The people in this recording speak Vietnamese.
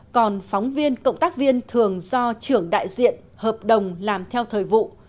còn phóng viên cộng tác viên thường do trưởng đại diện hợp đồng làm theo thời vụ